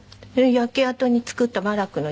焼け跡に作ったバラックの家